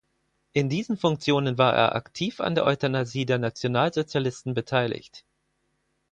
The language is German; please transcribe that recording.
In diesen Funktionen war er aktiv an der Euthanasie der Nationalsozialisten beteiligt.